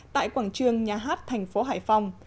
tại quảng trường nhà hát thành phố hải phòng